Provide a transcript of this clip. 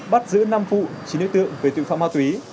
bắt giữ năm vụ chín nội tượng về tự phạm ma tuế